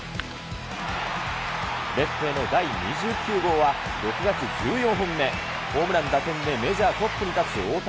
レフトへの第２９号は、６月１４本目、ホームラン、打点でメジャートップに立つ大谷。